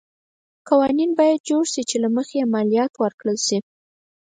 قوانین باید جوړ شي چې له مخې یې مالیات ورکړل شي.